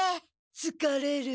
つかれる。